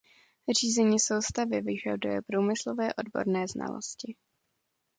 Řízení soustavy vyžaduje průmyslové odborné znalosti.